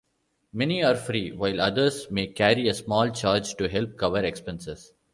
Many are free, while others may carry a small charge to help cover expenses.